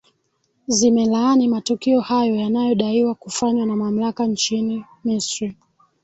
zimelaani matukio hayo yanayo daiwa kufanywa na mamlaka nchini misri